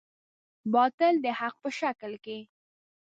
باطل د حق په شکل کې.